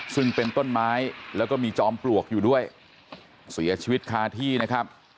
ซึ่งเป็นต้นไม้แล้วก็มีจอมปลวกอยู่ด้วยเสียชีวิตคาที่นะครับ